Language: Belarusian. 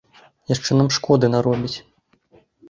Яшчэ нам шкоды наробіць.